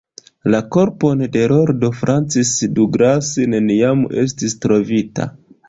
La korpon de Lordo Francis Douglas neniam estis trovita.